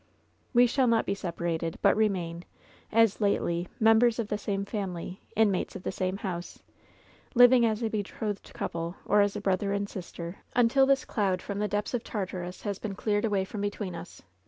We shall not be separated, but remain, aa lately, members of the same family, inmates of the same house; living as a betrothed couple, or as brother and sister, until ihis cloud from the depths of Tartarus has been cleared away from between us.